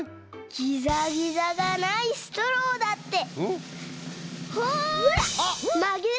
ギザギザがないストローだってほらまげられるんですよ！